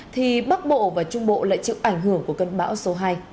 thì bắc bộ và trung bộ lại chịu ảnh hưởng của cơn bão số hai